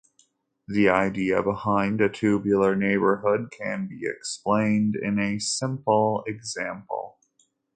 The idea behind a tubular neighborhood can be explained in a simple example.